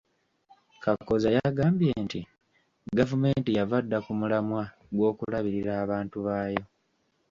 Kakooza yagambye nti gavumenti yava dda ku mulamwa gw’okulabirira abantu baayo.